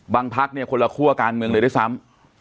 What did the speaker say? บางพักคนละครั่วการเมืองเลยได้ซ้ำ